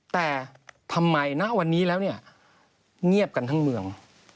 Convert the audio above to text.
แต่ทำไมณวันนี้แล้วเนี่ยเงียบกันทั้งเมือง